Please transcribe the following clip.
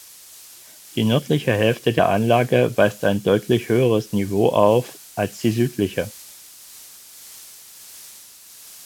Die nördliche Hälfte der Anlage weist ein deutlich höheres Niveau auf als die südliche.